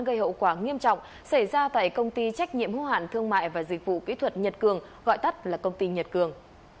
gây hậu quả nghiêm trọng xảy ra tại công ty trách nhiệm hưu hạn thương mại và dịch vụ kỹ thuật nhật cường gọi tắt là công ty nhật cường